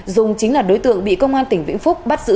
dung chính là đối tượng bị công an tỉnh vĩnh phúc bắt giữ